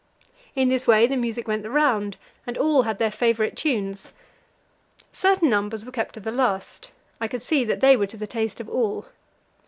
In this way the music went the round, and all had their favourite tunes. Certain numbers were kept to the last; I could see that they were to the taste of all.